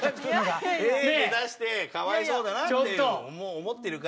Ａで出してかわいそうだなって思ってるから。